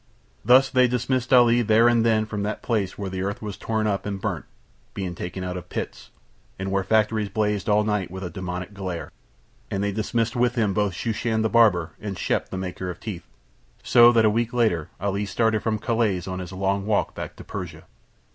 Thus they dismissed Ali there and then from that place where the earth was torn up and burnt, being taken out of pits, and where factories blazed all night with a demoniac glare; and they dismissed with him both Shooshan, the barber, and Shep, the maker of teeth: so that a week later Ali started from Calais on his long walk back to Persia.